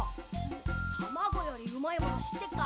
卵よりうまいもの知ってっか？